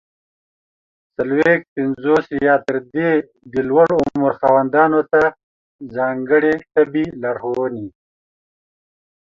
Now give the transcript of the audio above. څلوېښت، پنځوس او یا تر دې د لوړ عمر خاوندانو ته ځانګړي طبي لارښووني!